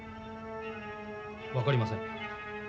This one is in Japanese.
分かりません。